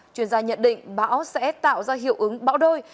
chuyên gia nhận định bão sẽ tạo ra hiệu ứng bão đôi